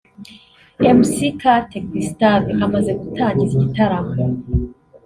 Mc Kate Gustave amaze gutangiza igitaramo